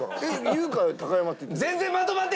優香より高山って。